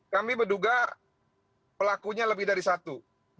kami menduga pelakunya lebih dari satu